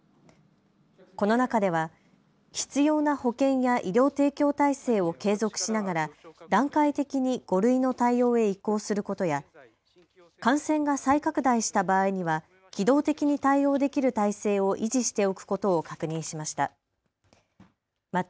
この中では必要な保健や医療提供体制を継続しながら段階的に５類の対応へ移行することや、感染が再拡大した場合には機動的に対応できる体制を維持しておくことを確認しました。